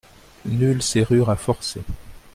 Nulle serrure à forcer.